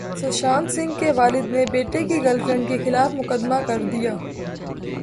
سشانت سنگھ کے والد نے بیٹے کی گرل فرینڈ کےخلاف مقدمہ کردیا